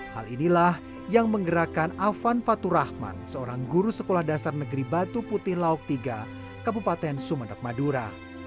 hal inilah yang menggerakkan afan faturahman seorang guru sekolah dasar negeri batu putih lauk iii kabupaten sumedag madura